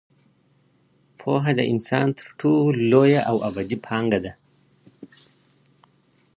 پوهه د انسان تر ټولو لویه او ابدي پانګه ده.